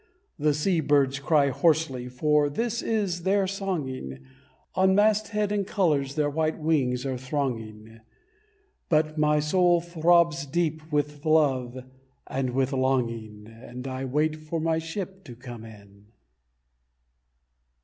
The sea birds cry hoarsely, for this is their songing, On masthead and colours their white wings are thronging, But my soul throbs deep with love and with longing, And I wait for my ship to come in.